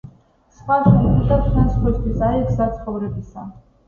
„სხვა შენთვის და შენ სხვისთვის, აი გზა ცხოვრებისა.“